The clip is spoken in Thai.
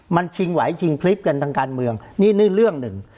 มันชิงไหวชิงคลิปกันทางการเมืองนี่นี่เรื่องหนึ่ง